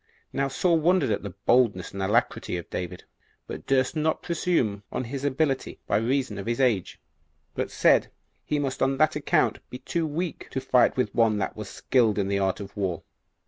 3. Now Saul wondered at the boldness and alacrity of David, but durst not presume on his ability, by reason of his age; but said he must on that account be too weak to fight with one that was skilled in the art of war.